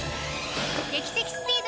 劇的スピード！